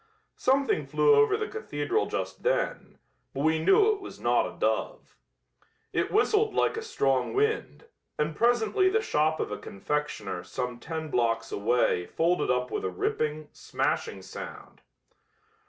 Something flew over the cathedral just then, but we knew it was not a dove. It whistled like a strong wind, and presently the shop of a confectioner some ten blocks away folded up with a ripping, smashing sound.